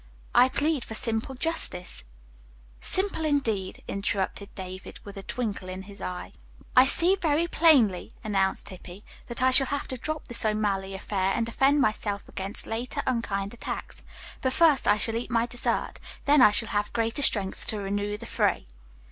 "I plead for simple justice." "Simple, indeed," interrupted David with a twinkle in his eye. "I see very plainly," announced Hippy, "that I shall have to drop this O'Malley affair and defend myself against later unkind attacks. But first I shall eat my dessert, then I shall have greater strength to renew the fray."